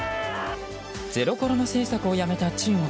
ゼロコロナ政策をやめた中国。